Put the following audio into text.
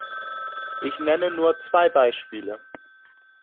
Ich nenne nur zwei Beispiele.